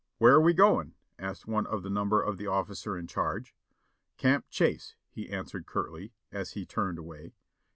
"Where are we going?" asked one of the number of the ofificer in charge. "Camp Chase," he answered curtly, as he turned away.